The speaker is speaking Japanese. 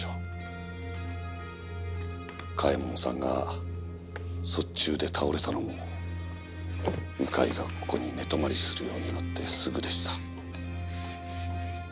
嘉右衛門さんが卒中で倒れたのも鵜飼がここに寝泊まりするようになってすぐでした。